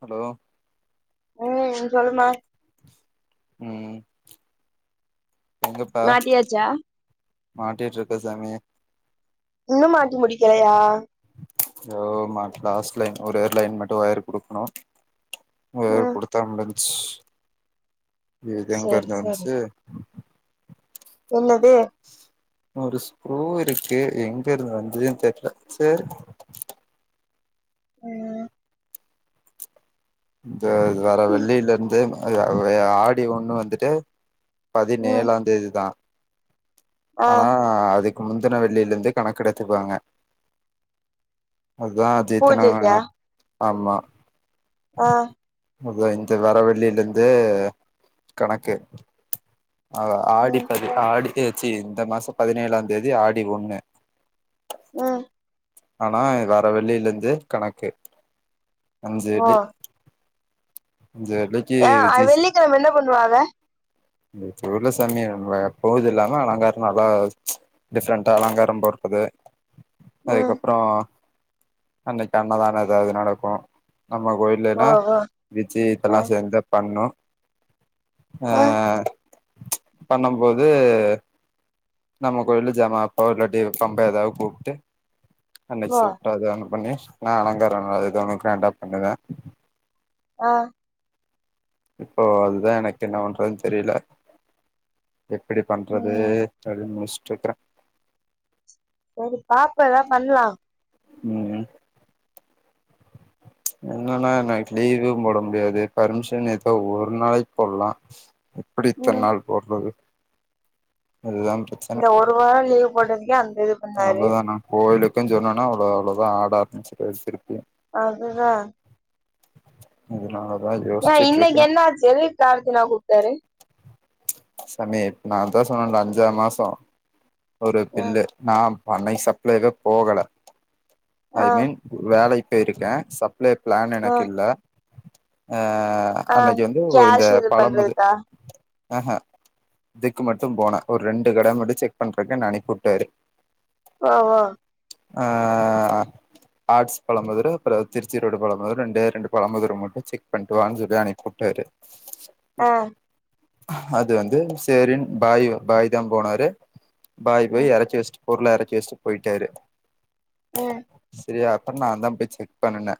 hello ம் சொல்ம்மா ம் எங்கப்ப மாட்டியாச்சா மாட்டிட் இருக்க சாமி இன்னு மாட்டி முடிக்கலையா தொ மட் லாஸ்ட் லைன் ஒரு ஏர்ல லைண் மட்டு ஒயர் குடுக்கணு ம் தா மூடிச் இது சேரி எங்கயிருந் சேரி வந்ச்சு என்னது ஒரு சுகுருவ் இருக்கு எங்க இருந்து வந்துன்னு தெர்ல செரி ம் இந்த வர வெள்ளியில இருந்து அ ஆடி ஒண்ணு வந்துட்டு ம் பதினேழா தேதிதா ஆ ஆனா அதுக் முந்தின வெள்ளியில இருந்தே கணக்கெடுத்துப்பாங்க அதா ஜேத்தனா பூஜைக்கா ஆமா ஆ அதா இந்த வரவெள்ளியில இருந்து கணக்கு ஆ ஆடி ம் பதி ஆடிச்சி இந்த மாச பதினேழா தேதி ஆடி ஒண்ணு ம் ஆனா வர வெள்ளியில இருந்து கணக்கு அஞ்சு ஓ வெள்ளி அஞ்சு வெள்ளி ஏங்க வெள்ளிக்கிழம என்ன பணுவாங்க இப்ப உள்ள சாமிய எப்போது இல்லாம அலங்காரம நல்லா டிஃப்ரெண்டா அலங்கார போறது ம் அதுக்கப்றோ அன்னைக்கு அண்ணதானோ ஏதாது நடக்கு நம்ம கோயில் ஓ ஓ ஜீ இப்போ ஆ லாஸ்ட் எந்த பண்னோ அ ஆ அ பண்ணபோது நம்ம கோயில ஜமா பவுடர்டி இல்லாட்டி பம்ப ஏதா கூப்ட்டு அன்னைக்கு ஓ சூப்பரா பண்ணி நா அலங்கார ஒண்ணு கிராண்டா பண்ணுவ ஆ இப்போ அதுதா எனக்கு என்ன பண்றதுன்னு தெர்ல எப்டி பண்றது ம் அது முச்சுட்டு வெக்கற செரி பாப்போ ஏதா பண்லா ம் என்னன்னா எனக்கு லீவு போட முடியாது ஃபர்மிஷன் ஏதோ ஒரு நாளைக் போட்லா எப்டி இத்தன ம் நாள் போட்றது எல்லா இந்த ஒரு வார லீவ் போடுறதுக்கே அந்த இது பண்ணாரு அவ்ளோதா நா கோயிலுக்குன்னு சொன்னோனா அவ்ளோ அவ்ளோதா ஆட ஆரம்பிச்சுடுவாரு திருப்பியு அதுதா அதுனாலதா யே ஏ இன்னைக்கு என்னாச்சு ஏ எதுக் கார்த்தினா கூப்டாரு சாமி நாதா சொன்னேன்ல அஞ்சாறு மாசோ ஒரு ம் பில்லு நா பண்ணை சப்ளைகே போகல ஐ ஆ மீன் வேலைக் போயிருக்கே சப்ளே பிளான் ஆ எனக்கில்ல ஆ அன்னைக்கு வந்து ஒரு இந்த கேஷ் பழம் இது பண்றதுக்கா ஆ ஹா இதுக்கு மட்டு போனே ஒரு ரெண்டு கட மட்டு செக் பண்றக்கு நானே கூப்டாரு ஓ ஓ ஆ ஆர்ட்ஸ் பழ முதிரு அப்றோ திருச்சி ரோடு பழ முதிர் ரெண்டே ரெண்டு பழ முதிர மட்டு செக் பண்ணிட்டு வாங்கிடு அன்னிக் கூப்டாரு செல்லி அனிப்பிவுட்டாரு ஆ அது வந்து சேரின் பாயி பாய் தா போனாரு பாய் போயி ம் எரைச்சி வெச்சிட்டு பொருள எரக்கி வெச்சிட்டு போயிட்டாரு அ செரியா அப்றோ நான் தா போய் செக் பண்ணுனே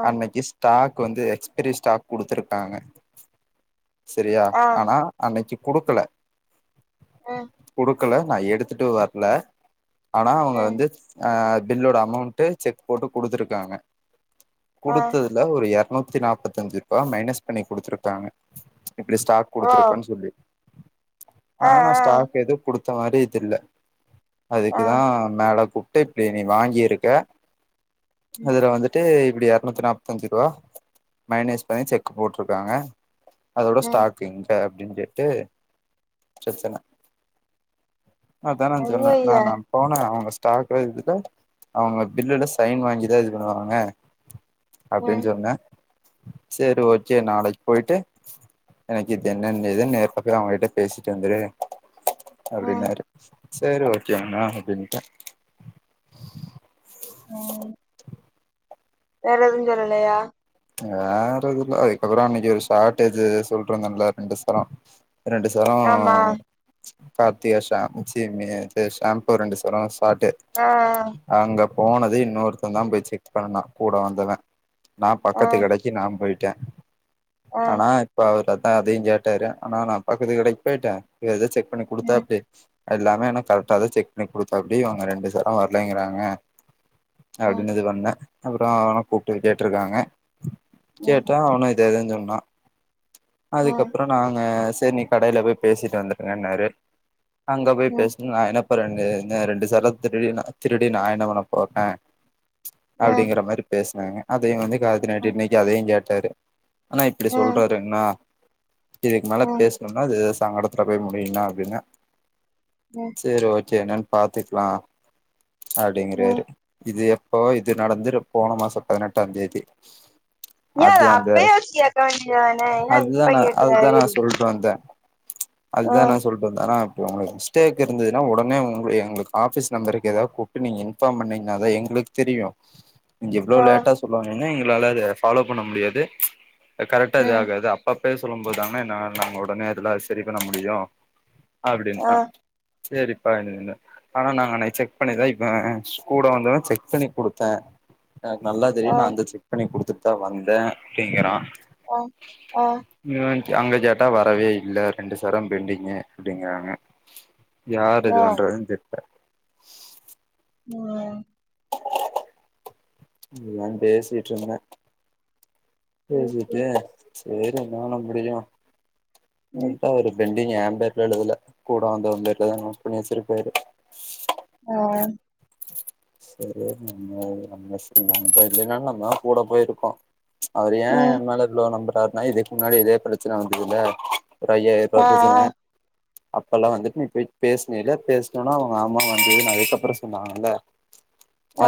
ஆ அன்னைக்கி ஸ்டாக் வந்து எக்ஸ்பரி ஸ்டாக் குடுத்துருக்காங்க செரியா ஆ ஆனா அன்னைக்கி குடுக்கல ம் குடுக்கல நா எடுத்துட்டு வர்ல ஆனா அவுங்க ம் வந்து அ பில்லோட அமௌண்ட்டு செக் போட்டு குடுத்திருக்காங்க ஆ குடுத்ததுல ஒரு எரநூத்தி நாபத்தஞ்சி ரூபா மைனஸ் பண்ணி குடுத்திருக்காங்க இப்டி ஸ்டாக் ஓ குடுத்துருக்கன் சொல்லி ஆ ஆனா நா ஆ ஸ்டாக் எது குடுத்த மாரி தெர்ல ஆ அதுக்குதா மேல கூப்புடு இப்டி நீ வாங்கிருக்க ம் இதுல வந்துட்டு இப்டி எரநூத்தி நாப் பதஞ்சுரூவா மைனஸ் பண்ணி செக் போட்டிருக்காங்க அதோட ம் ஸ்டாக் அப்ப இங்க அப்டின் கேட்டு பிரச்சன அதா நா சொன்னே நா அய்யய்ய நான் போனே அவுங்க ஸ்டாக் எடுத்துட்டா அவுங்க பில்லுல சைன் வாங்கிதா இது பண்ணுவாங்க அப்டின் ம் சொன்ன சேரி ஓகே நாளைக்கி போயிட்டு எனக்கு இது என்னன்னு இது நேர்ல போய் அவுங்ககிட்ட பேசிட்டு வந்துரு ம் அப்டின்னாரு சேரி ஓகேங்ணா அப்டின்ட ம் வேற எதுவு சொல்லலையா வேற எதுவு இல்ல இப்ப கூடோ அன்னைக்கி ஒரு ஷார்ட்டேஜ் சொல்லிட்ருந்தே இல்ல ரெண்டுசரோ ரெண்டு சரோ ஆமா கார்த்திகா ஷா சி மி இது ஷாம்பூ ரெண்டு சரோ பாட்டு ஆ அங்கப் போனது இன்னொருத்த தா போய் செக் பண்ணுனா கூட வந்தவ நா ஆ பக்கத்து கடைக்கி நா போயிட்டே ஆ ஆனா இப்ப அவர்ட்டதா அதையு கேட்டாரு அண்ணா நா பக்கத்து கடைக்கு போயிட்ட ஏதோ செக் பண்ணி ம் குடுத்தாப்புடி எல்லாமே ஆனா கரெக்டா தா செக் பண்ணி குடுத்தாப்புடி அவுங்க ரெண்டு சரோ வர்லைங்கிறாங்க ம் அப்டின்னு இது பண்ணே அப்றோ அவன கூப்டு கேட்ருக்காங்க ம் கேட்டா அவுனு இதே தா சொன்னா ம் ம் அதுக்கப்றோ நாங்க சேரி நீ கடையில போயி பேசிட்டு வந்துட்றேன்னாரு அங்க போயி ம் பேசுனா நா என்ன இப்ப ரெண்டு இந்த ரெண்டு சரோ திருடி நா திருடி நா என்ன பண்ண போறே அப்டிங்கிற மாரி பேஸ்னாங்க அதையு வந்து காயத்ரி அண்ணி கிட்ட அதையு கேட்டாரு அண்ணா இப்டி ம் சொல்றாருங்ணா இதுக்கு மேல ம் பேசுணும்னா இது சாங்கடத் துல போய் முடியு நா அப்டின்ன ம் சேரி ஓகே என்னன்னு பாத்துக்லா ம் அப்டிங்கிறாரு இது எப் எப்போ இது நடந்து போன மாசோ பதினெட்டாந் தேதி ஏயா அத அது அந்த அப்பையே வெச்சி கேட்க வேண்டியதுதானே ஏயா இப்ப கேக்குறாரு இப்ப வந்த ஆ அதுதா நா சொல்டு வந்த அண்ணா இப்ப உங்ளுக்கு மிஸ்டேக் இருந்ததுன்னா உடனே உங்க எங்களுக்கு ஆஃபீஸ் நம்பருக்கு ஏதாது கூப் புட்டு நீங்க இன்ஃபார்ம் பண்ணீங்கன்னா தா எங்களுக்கு தெரியு [inaudible] இவ்ளோ லேட்டா சொல்வாங்கன்னு எங்களால அத ஃபாலோ பண்ண முடியாது கரெக்டா இது ம் ஆகாது அப் ப்ப பேர் சொல்லும் போதெதான்னே நந நம் ஒடனே எதுனா சரி பண்ண முடியு ஆ அப்டின்னா சேரிப்பா [unintelligible] ஆனா நாங்க அன்னிக் செக் பண்ணிதா இப்ப ந கூட வந்தவ செக் பண்ணி குடுத்தே எனக்கு நல்லா தெரியு ஆ நா அங்க செக் பண்ணி குடுத்துட்டு தா வந்தே அப்டிங்கிறா அ ஆ ய அங்க கேட்டா வரவே இல்ல ரெண்டு சர பென்டிங்கு அப்டிங்கறாங்க யாரது இது ஆ வண்ற தெ ம் அதுதா பேசிட்டு இருந்தே பேசிட்டு சேரி ஒன்னால முடியு அப்டிட்டா ஒரு பெண் எ பேர்ல எழுதல கூட வந்தவ பேர்ல தா நோட் பண்ணி வச்சிர்க்காரு ம் சரி நம்ம நம்ம லிஸ்ட் நம்ம பேரில்லன்னாலு நம்மதா கூட போயிர்க்கோ அவரு ஏ எ ம் மேல இவ்ளோ நம்புறார்ன்னா இதுக்கு முன்னாடி இதே பிரச்சன வந்துதில ஒரு ஐயாயரூபா ஆ ஆ பிரச்சன அப்பெல்லா வந்துட்டு நீ போயி பேசினல பேசினோன அவுங்க ஆமா வந்துதுன்னு அதுக்கப்பறோ சொன்னாங்கல்ல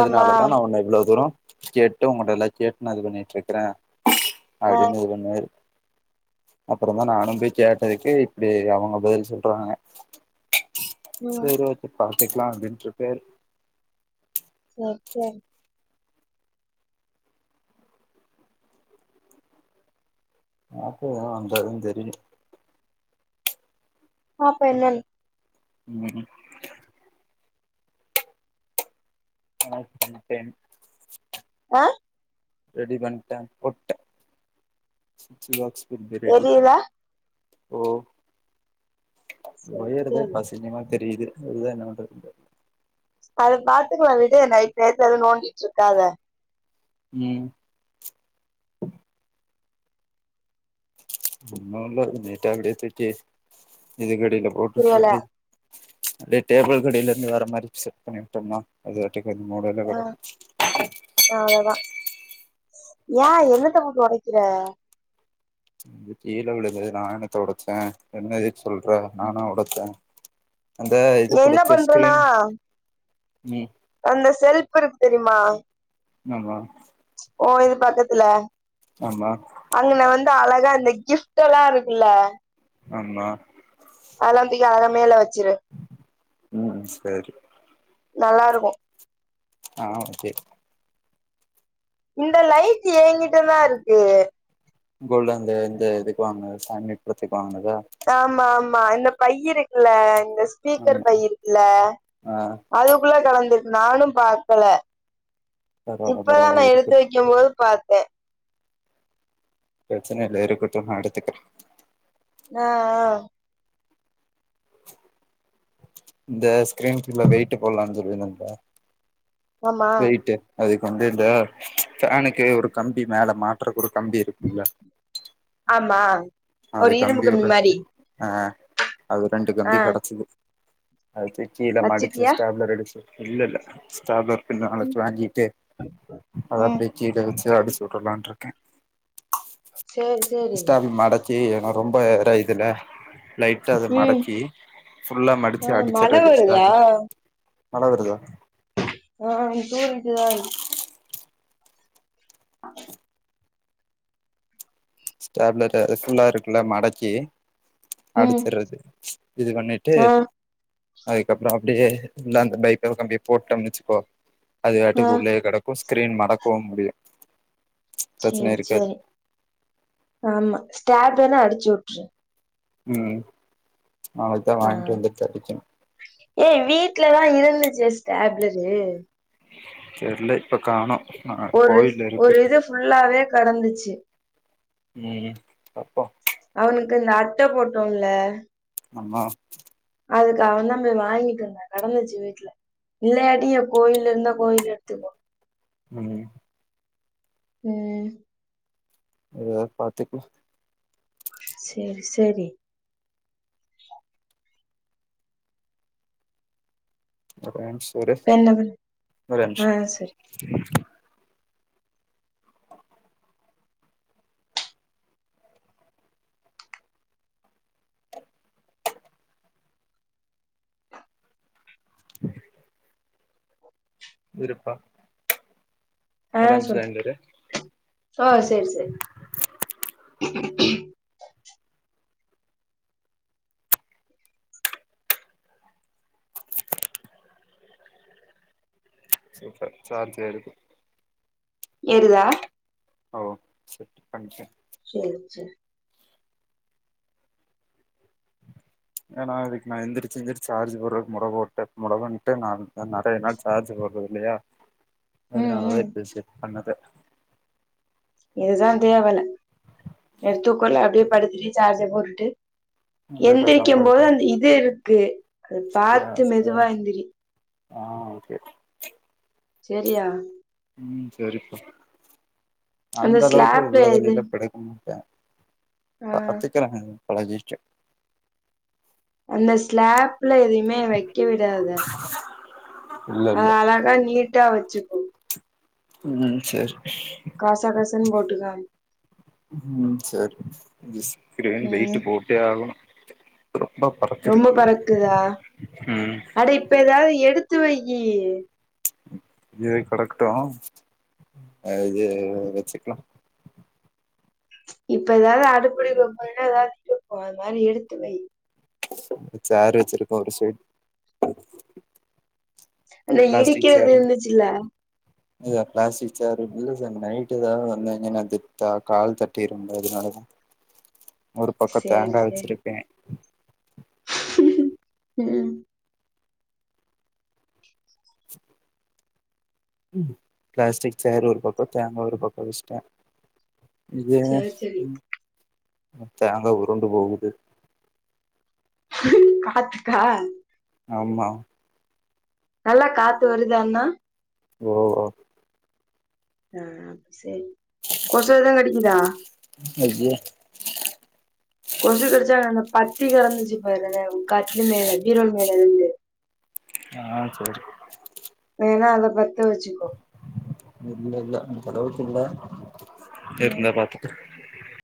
ஆமா நா ஒன்ன இவ்ளோ தூரோ கேட்டு ஒங்களட்ட லா கேட்டு நா இது பண்ணிட்டு இருக்குறே ஆ அப்டினு உரிமயாரு அப்றோ தா நானு போய் கேட்டதுக்கே இப்டி அவுங்க பதில் சொல்றாங்க ம் சரி ஓகே பாத்துக்கலா அப்டின்ட் [unintelligible] சேர் சேர் ஆப்பூவா வந்தாதா தெரியு பாப்போ என்னென் ம் ஆ பண்ட்டேன் ஆ ரெடி பண்ட்டே போட்டே சுச் பாக்ஸ் கு பே ரெடி எரியுதா ஓ சேரி ஒயருதா சேரி இப்ப அசிங்கமா தெரியுது அதுதா என்ன பண்றதுனு தெர் அத பாத்துக்கலா விடு நைட் நேரத்து எதுவு நோண்டிட்டுருக்காத ம் ஒன்னுல்ல நீட்டா அப்டியே தூக்கி இது க்கடில புரியல போட்டுட்டு அப்டியே டேபிள் கடில இருந்து வர மாரி செட் பண்ணிட்டோம்னா அதுபாட்டுக் அந்த மூலைல ஆ கடக்கு அவ்ளோதா ஏ என்னத்த போட்டு ஒடக்கிற கீழே விழுந்தது நா என்னத்த ஒடச்சே என்ன எதுக் சொல்ற நானா ஒடச்சே அந்த இது என்ன குடுத்து பண்றேன்னா ஸ்கிரீன் உம் அந்த செல்ப் இருக் தெரிமா ஆமா ஓ இது பக்கத்துல ஆமா அங்கன வந்து அழகா இந்த கிஃப்ட் ல்லா இருக்குல்ல ஆமா அதெல்லா தூக்கி அழகா மேல வச்சிரு ம் சேரி நல்லாருக்கு ஆ ஓகே இந்த லைட்டு ஏ கிட்ட தா இருக்கு கோல்டன்ல அந்த இதுக்குலா அங்க ஃபாமேட் குடுத்துருக்காங்கல ஆமா ஆமா இந்த பையி இருக்குல இந்த ஸ்பீக்கர் ஆமா பை இருக்குல ஆ அதுக்குள்ள கலந்திர்க் நானு பாக்ல பரவால்ல இப்பதா நா பரவால்ல எடுத்து இருக்கட்டு வைக்கும் போது பாத்தே பிரச்சனைல இருக்குட்டு நா எடுத்துக்கிறே நா இந்த ஸ்க்கிரீன் குள்ள வெயிட்டு போட்லான் சொல்லி நண்பா ஆமா வெய்ட்டு அதுக்கு வந்து இந்த பேனுக்கு ஒரு கம்பி மேல மாட் றக்கு ஒரு கம்பி இருக்குல ஆமா அது ஒரு இரும்பு கம்பி கம்மி ஒரு மாரி ஆ அது ரெண்டு ஆ கம்பி கடக்குது அது தூக்கி இத மடிச்சி வச்சுட்டியா ஸ்டேப்லர் அடிச்சி இல்லல்ல ஸ்டேப்லர் பின் நாலச்சு வாங்கிட்டு அத ம் அப்டே கீழ வச்சி அப்டி சுடலான் இருக்கே சேரி சேரி ஸ்டேப்ல மடக் கீழனா ரொம்ப இதா இதுல லைட்டா அத ம் மடக்கி ஃபுல்லா மடிச்சி ஆ மழ அடிச்சர்றது வருதா ஸ்டேப்லரு மழ வருதா ஆ தூரல் ஸ்டேப்லர ஃபுல்லா இருக்குல்ல மடக்கி ம் அடிச்சர்றது இது பண்ணிட்டு ஆ அதுக்கப்றோ அப்டியே இந்த அந்த பைப்ல கம்பிய போட்டோம் வச்சிக்கோ அது ஆ பாட்டுக்கு உள்ளயே கெடக்கு கிரீன் மடக்கவு முடியு பிரச்சன சேரி இருக்காது சேரி ஆமா ஸ்டேட் வேனா அடிச்சுட்ரு ம் அவளதா வாங்கிட்டு வந்துட்டு அடிக்கினு ஏ வீட்லதா இருந்துச்சு ஸ்டேப்லரு தெர்ல இப்ப காணோ நா ஒரு கோவில ஒரு இருக்கு இது ஃபுல்லாவே கடந்தச்சி ம் பாப்போ அவுனுக்கு இந்த அட்ட போட்டோ இல்ல ஆமா அதுக்கு அவெ தா போய் வாங்கிட்டு வந்தா கடந்தச்சி வீட்ல இல்லாடி கோயில இந்தா கோயில எத்துக்கோ ம் ம் மெதுவா பாத்துக்குலா சேரி சேரி ஒரே நிம்ஷோ இரு இப்ப என்ன பண்ண ஒரே ஆ நிம்ஷோ சரி ம் இருப்பா ஒரே நிம்ஷோ லைன்ல இரு ஆ செரி செரி சூப்பர் சார்ஜ் ஏறுது ஏறுதா ஓ செட் பண்டே [unintelligible] ஏன்னா இதுக்கு நா எந்ரிச்சி எந்ரிச்சு சார்ஜ் போடுறதுக்கு [unintelligible] [unintelligible] நா நெறைய நாள் சார்ஜ் போட்றது இல்லயா ம் அதனாலதா ம் இப்ப செட் பண்ணது இதுதா தேவல எடுத்துக்குள்ள அப்டியே படுத்துட்டே சார்ஜர் போட்டுட்டு முருங்கக்கா எந்திரிக்கும் சாப்பாடு போது அந்த இது இருக்கு அத புடிச்சா பாத்து சார் மெதுவா எந்திரி ஆ ஓகே செரியா உம் செரிப்பா அந்த அளவுக்கு ஸ்லாப்ல எது உள்ளதல்லிலா படுக்கமாட்ட ஆ பாத்துகிற பழகிச்சி அந்த ஸ்லாப்ல எதயுமே வெக்க விடாதா இல்ல அ இல்ல அழகா நீட்டா வெச்சுக்கோ உம் செரி கசகசன் போட்டுகாம் உம் செரி விஸ்கிரன் ம் வெயிட்டு போட்டே ஆகணு ரொம்ப பறக்குது ரொம்ப பறக்குதா ம் அட இப்ப எதாவது எடுத்து வெயி இதுவே கெடக்கட்டு இது வெச்சிக்ளா இப்ப எதாது அடுப்படிக்குள்ள போனனா எதாவது [inaudible] அது மாரி எடுத்து வை இது சேர்ரு வெச்சிருக்கோ ஒரு சீட் அந்த ப்ளாஸ்டிக் இடிக்கிறது சேர் இருந்துச்சுல்ல [unintelligible] பிளாஸ்டிக் சேர் இல்ல சார் நைட்டு் தா வந்திங்கன்னா தி கால் தட்டிரும்ல அதனாலதா ஒரு பக்கோ சேரி தேங்கா சேரி வெச்சிருக்கே ம் உம் பிளாஸ்டிக் சேர் ஒரு பக்கோ தேங்கா ஒரு பக்கோ வெஷ்ட இது சேரி சேரி தேங்கா உருண்டு போகுது காத்துக்கா ஆமா நல்லா காத்து வருதாண்ணா ஓ ஆ சேரி கொசு ஏது கடிக்குதா ஐயே கொசு கடிச்சா அந்த பத்தி கடந்துச்சு பாருங்க மேல கட்லு மேல பீரோல் மேல இருந்து ஆ சேரி வேணா அத பத்த வச்சுக்கோ இல்ல இல்ல அந்தளவுக்கு ம் இல்ல